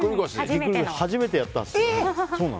初めてやったんです。